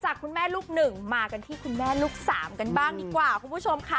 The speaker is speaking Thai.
คุณแม่ลูกหนึ่งมากันที่คุณแม่ลูกสามกันบ้างดีกว่าคุณผู้ชมค่ะ